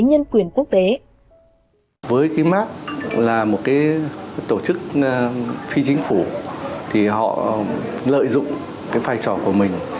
nhân quyền quốc tế với cái mark là một cái tổ chức phi chính phủ thì họ lợi dụng cái vai trò của mình